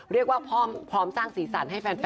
เรียกว่าพร้อมสร้างสีสันให้แฟน